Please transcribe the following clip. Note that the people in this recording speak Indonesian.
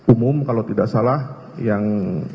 umum kalau tidak salah yang